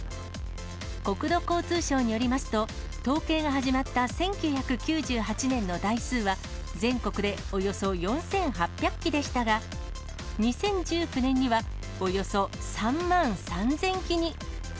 国土交通省によりますと、統計が始まった１９９８年の台数は全国でおよそ４８００基でしたが、２０１９年にはおよそ３万３０００基に。